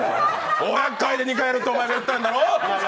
５００回で２回やるってお前が言ったんだろ？